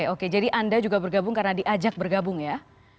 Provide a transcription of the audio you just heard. oke jadi anda juga bergabung karena diajak bergabung ya